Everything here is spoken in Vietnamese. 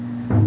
của nhân dân